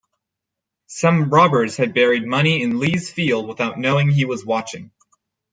Some robbers had buried money in Li's field without knowing he was watching.